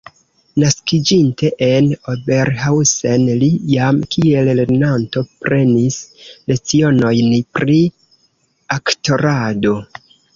Naskiĝinte en Oberhausen, li jam kiel lernanto prenis lecionojn pri aktorado.